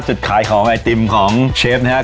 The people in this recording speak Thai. จุดขายของไอติมของเชฟนะครับ